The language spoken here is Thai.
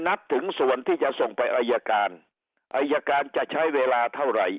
นับถึงส่วนที่จะส่งไปอายการอายการจะใช้เวลาเท่าไหร่